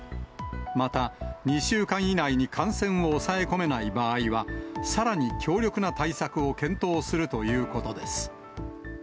また、２週間以内に感染を抑え込めない場合は、さらに強力な対策を検討するということです。